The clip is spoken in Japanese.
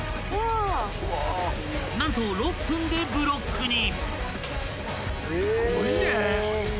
［何と６分でブロックに］